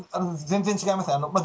全然違いますね。